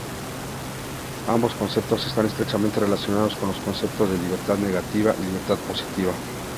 Ambos conceptos están estrechamente relacionados con los conceptos de libertad negativa y libertad positiva.